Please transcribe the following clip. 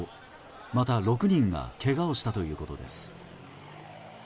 また６人がけがをしたということです。